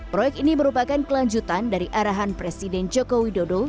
proyek ini merupakan kelanjutan dari arahan presiden joko widodo